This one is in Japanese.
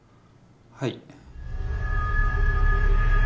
はい。